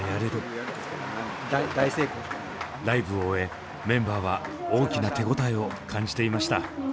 ライブを終えメンバーは大きな手応えを感じていました。